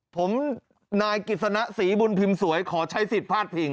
ผมนายกิจสนะศรีบุญพิมพ์สวยขอใช้สิทธิ์พาดพิง